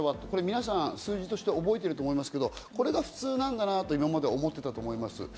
これ、皆さん、数字として覚えてると思いますけど、これが普通なんだなと今まで思っていたと思います。